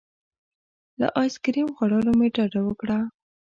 له ایس کریم خوړلو مې ډډه وکړه.